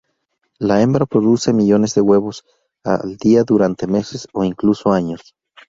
La hembra produce millones de huevos al día durante meses o incluso años.